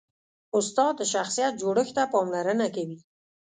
استاد د شخصیت جوړښت ته پاملرنه کوي.